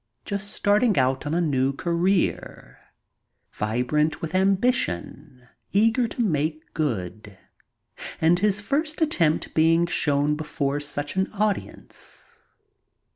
Just starting out on a new career, vibrant with ambition, eager to make good, and his first attempt being shown before such an audience.